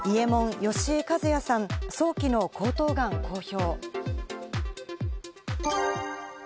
イエモン・吉井和哉さん、早期の喉頭がんを公表。